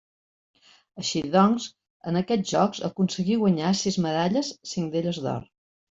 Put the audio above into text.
Així doncs, en aquests Jocs aconseguí guanyar sis medalles, cinc d'elles d'or.